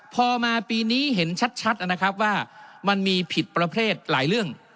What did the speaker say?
พอมาปีนี้เห็นชัดนะครับว่ามันมีผิดประเภทหลายเรื่อง